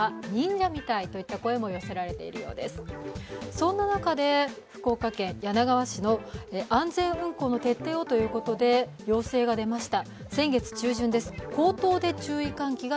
そんな中で福岡県柳川市の安全運航の徹底をということで要請が出ました。